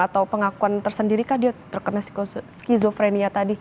atau pengakuan tersendiri kah dia terkena skizofrenia tadi